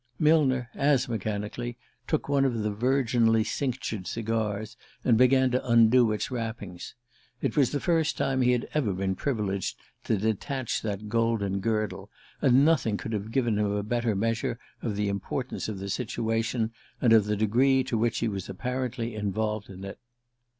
Millner, as mechanically, took one of the virginally cinctured cigars, and began to undo its wrappings. It was the first time he had ever been privileged to detach that golden girdle, and nothing could have given him a better measure of the importance of the situation, and of the degree to which he was apparently involved in it.